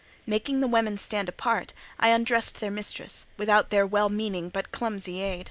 Making the women stand apart, I undressed their mistress, without their well meaning but clumsy aid.